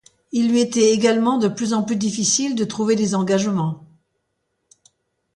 Il lui était également de plus en plus difficile de trouver des engagements.